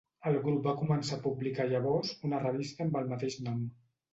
El grup va començar a publicar llavors una revista amb el mateix nom.